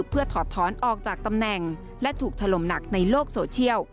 เพื่อถอดถอนออกจากตำแหน่งและถูกถล่มหนักในโลกโซเชียล